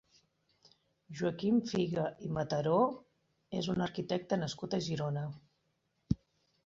Joaquim Figa i Mataró és un arquitecte nascut a Girona.